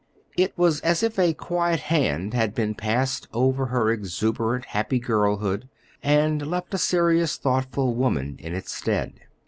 It was as if a quiet hand had been passed over her exuberant, happy girlhood and left a serious, thoughtful woman in its stead.